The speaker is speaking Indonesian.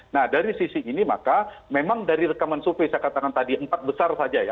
nah dari sisi ini maka memang dari rekaman survei saya katakan tadi empat besar saja ya